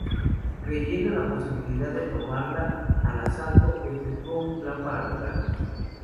Creyendo en la posibilidad de tomarla al asalto, efectuó un plan para lograrlo.